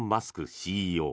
ＣＥＯ。